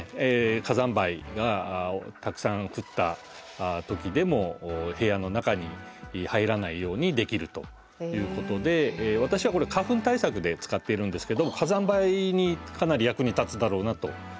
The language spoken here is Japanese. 火山灰がたくさん降った時でも部屋の中に入らないようにできるということで私はこれ花粉対策で使っているんですけど火山灰にかなり役に立つだろうなと思っています。